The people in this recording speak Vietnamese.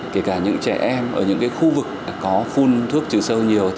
kể cả những trẻ em ở những khu vực có phun thuốc trừ sâu nhiều